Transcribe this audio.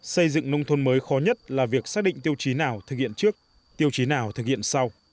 xây dựng nông thôn mới khó nhất là việc xác định tiêu chí nào thực hiện trước tiêu chí nào thực hiện sau